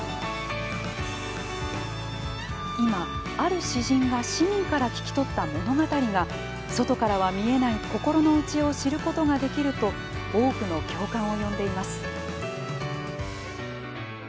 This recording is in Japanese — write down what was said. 今、ある詩人が市民から聞きとった物語が外からは見えない心の内を知ることができると多くの共感を呼んでいます。